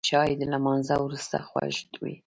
چای د لمانځه وروسته خوږ وي